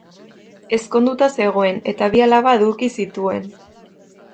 Ezkonduta zegoen eta bi alaba eduki zituen.